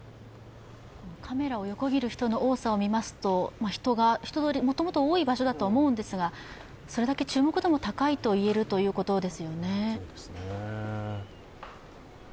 カメラを横切る人の多さを見ますと、人通りがもともと多い場所でもあると思いますが、それだけ注目度も高いということですよね。